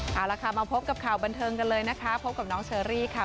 เอาละค่ะมาพบกับข่าวบันเทิงกันเลยนะคะพบกับน้องเชอรี่ค่ะ